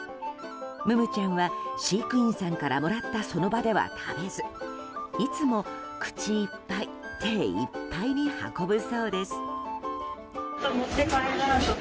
ムムちゃんは飼育員さんからもらったその場では食べずいつも口いっぱい手いっぱいに運ぶそうです。